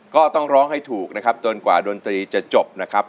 ก็ต้องร้องให้ถูกนะครับจนกว่าดนตรีจะจบนะครับ